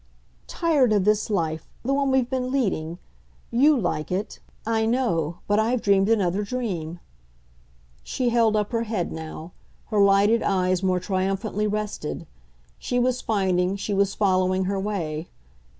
"Tired of this life the one we've been leading. You like it, I know, but I've dreamed another dream." She held up her head now; her lighted eyes more triumphantly rested; she was finding, she was following her way.